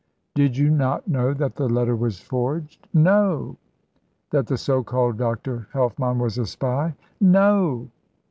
"Did you not know that the letter was forged?" "No!" "That the so called Dr. Helfmann was a spy?" "No!"